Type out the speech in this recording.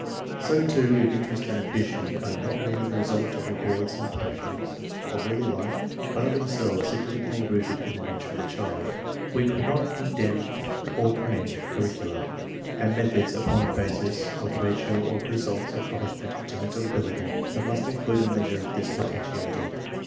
So too, if interest and ambition are not mainly the result of rewards and punishments of early life but are them selves significantly rooted in the nature of the child, we could not condemn or commend curricula and methods upon a basis of the ratio of resultant accom plishment to mental ability but must include a measure of this potentiality.